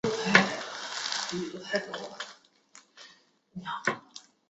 斯梅代雷沃是位于塞尔维亚东北部的一个城市。